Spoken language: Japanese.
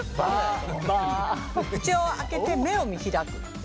口を開けて目を見開く「バ」。